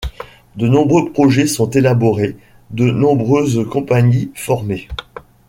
De nombreux projets sont élaborés, de nombreuses compagnies formées.